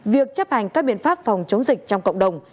việc chấp hành các biện pháp phòng chống dịch trong cộng đồng